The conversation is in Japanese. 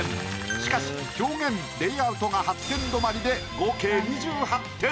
しかし表現・レイアウトが８点止まりで合計２８点。